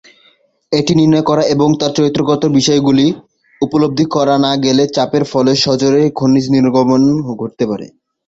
এটি নির্ণয় করা এবং তার চরিত্রগত বিষয়গুলো উপলব্ধি করা না গেলে চাপের ফলে সজোরে খনিজের নির্গমন ঘটতে পারে।